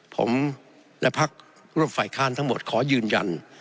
ผมและพักร่วมฝ่ายค้านทั้งหมดขอยืนยัน